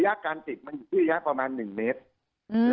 การติดมันอยู่ที่ระยะประมาณ๑เมตร